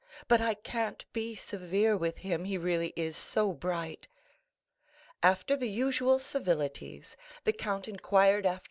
But I can't be severe with him, he is really so bright." After the usual civilities, the count inquired after M.